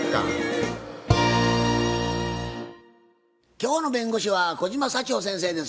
今日の弁護士は小島幸保先生です。